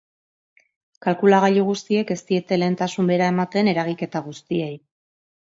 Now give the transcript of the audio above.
Kalkulagailu guztiek ez diete lehentasun bera ematen eragiketa guztiei.